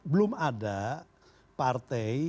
belum ada partai